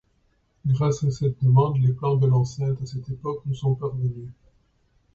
Grâce à cette demande, des plans de l'enceinte à cette époque nous sont parvenus.